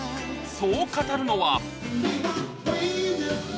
そう語るのは